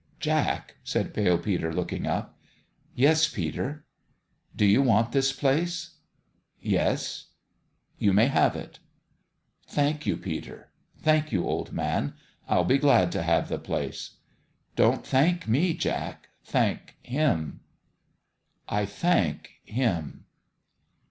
"Jack!" said Pale Peter, looking up. "Yes, Peter?" " Do you want this place ?" "Yes." " You may have it." "Thank you, Peter. Thank you, old man. I'll be glad to have the place." " Don't thank me, Jack. Thank him." " I thank him."